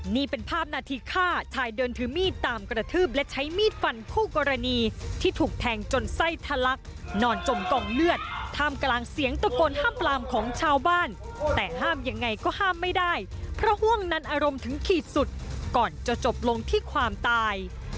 นี่เป็นภาพนาทีฆ่าชายเดินถือมีดตามกระทืบและใช้มีดฟันคู่กรณีที่ถูกแทงจนไส้ทะลักนอนจมกองเลือดท่ามกลางเสียงตะโกนห้ามปลามของชาวบ้านแต่ห้ามยังไงก็ห้ามไม่ได้เพราะห่วงนั้นอารมณ์ถึงขีดสุดก่อนจะจบลงที่ความตาย